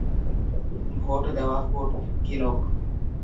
Vote দেওয়া ফুট, কিনোক।